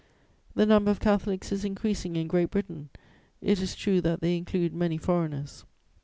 The number of Catholics is increasing in Great Britain; it is true that they include many foreigners.'